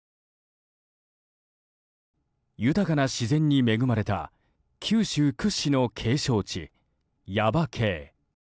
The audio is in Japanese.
豊かな自然に恵まれた九州屈指の景勝地・耶馬渓。